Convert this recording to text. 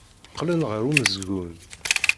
Qqlen ɣer umezgun.